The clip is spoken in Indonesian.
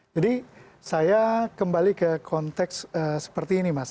jadi saya kembali ke konteks seperti ini mas